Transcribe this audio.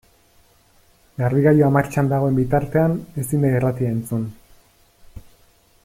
Garbigailua martxan dagoen bitartean ezin da irratia entzun.